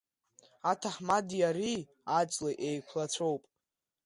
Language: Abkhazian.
Аҭаҳмадеи ари аҵлеи еиқәлацәоуп.